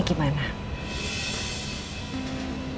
aku mau ke rumah sakit